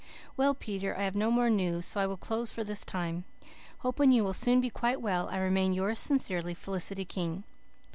"Well, Peter, I have no more news so I will close for this time. "hoping you will soon be quite well, I remain "yours sincerely, "FELICITY KING.